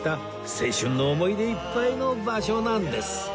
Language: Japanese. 青春の思い出いっぱいの場所なんです